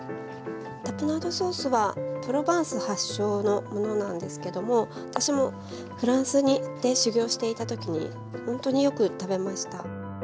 タプナードソースはプロヴァンス発祥のものなんですけども私もフランスで修業していた時にほんとによく食べました。